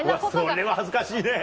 それは恥ずかしいね。